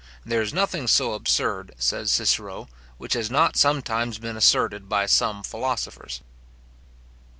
There is nothing so absurd, says Cicero, which has not sometimes been asserted by some philosophers.